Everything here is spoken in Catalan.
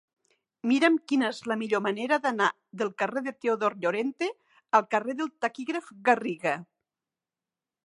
Mira'm quina és la millor manera d'anar del carrer de Teodor Llorente al carrer del Taquígraf Garriga.